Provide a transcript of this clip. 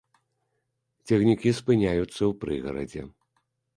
Цягнікі спыняюцца ў прыгарадзе.